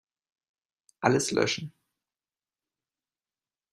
Alles löschen.